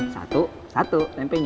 satu satu tempenya